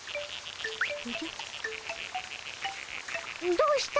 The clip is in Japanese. どうした？